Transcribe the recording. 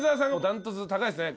断トツ高いですね。